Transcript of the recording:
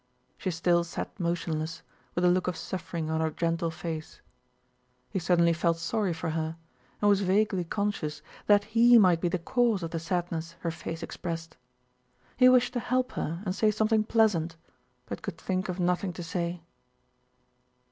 She still sat motionless with a look of suffering on her gentle face. He suddenly felt sorry for her and was vaguely conscious that he might be the cause of the sadness her face expressed. He wished to help her and say something pleasant, but could think of nothing to say.